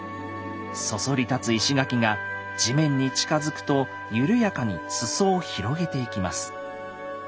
そそり立つ石垣が地面に近づくと緩やかに裾を広げていきます。